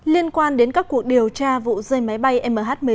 liên quan đến các cuộc điều tra vụ rơi máy bay mh một mươi một